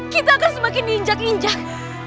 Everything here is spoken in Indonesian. kita akan semakin ninjak injak